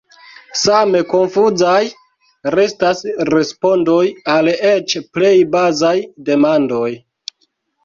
Same konfuzaj restas respondoj al eĉ plej bazaj demandoj.